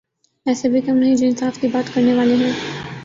ایسے بھی کم نہیں جو انصاف کی بات کرنے والے ہیں۔